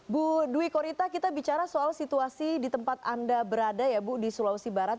bu dwi korita kita bicara soal situasi di tempat anda berada ya bu di sulawesi barat